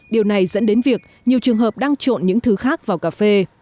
điều này dẫn đến việc nhiều trường hợp đang trộn những thứ khác vào cà phê